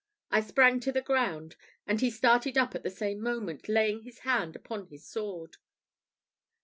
I sprang to the ground, and he started up at the same moment, laying his hand upon his sword.